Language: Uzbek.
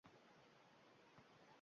Siz va menga o’xshaganlar juda ko’p.